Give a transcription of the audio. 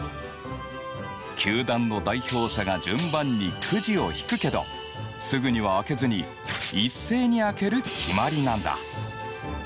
球団の代表者が順番にくじをひくけどすぐには開けずに一斉に開ける決まりなんだ。